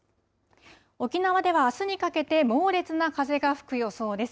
沖縄ではあすにかけて猛烈な風が吹く予想です。